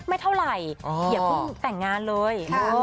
ไม่เท่าไหร่เหมือนแต่งงานเลย